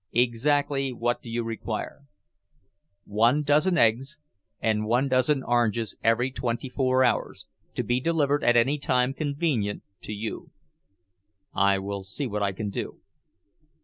"Exactly what do you require?" "One dozen eggs and one dozen oranges every twenty four hours, to be delivered at any time convenient to you." "I will see what I can do."